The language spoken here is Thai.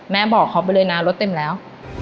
บอกเขาไปเลยนะรถเต็มแล้ว